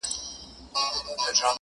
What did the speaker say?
حالات چي سوزوي!! ستا په لمن کي جانانه!!